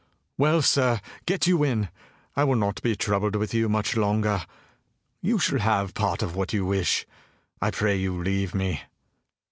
"Well, sir, get you in; I will not be troubled with you much longer. You shall have part of what you wish. I pray you, leave me."